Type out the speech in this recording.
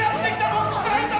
ボックスが開いた！